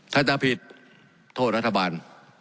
ถ้าจะผิดโทษรัฐบาล